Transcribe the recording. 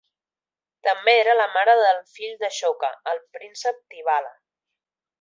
També era la mare del fill d'Ashoka, el príncep Tivala.